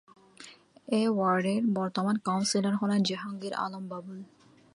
এ ওয়ার্ডের বর্তমান কাউন্সিলর হলেন জাহাঙ্গীর আলম বাবুল।